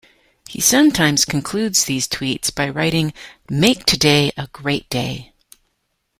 He sometimes concludes these tweets by writing, "Make today a great day!